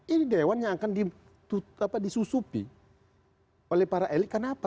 ini dewan yang akan disusupi oleh para elit karena apa